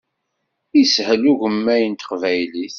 Ishel ugemmay n teqbaylit.